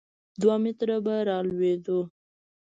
دوه متره به راولوېدو.